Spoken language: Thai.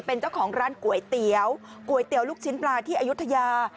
เป็นเจ้าของร้านก๋วยเตี๋ยวก๋วยเตี๋ยวลูกชิ้นปลาที่อายุทยา